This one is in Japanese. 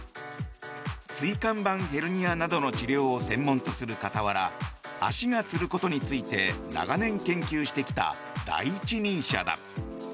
椎間板ヘルニアなどの治療を専門とする傍ら足がつることについて長年研究してきた第一人者だ。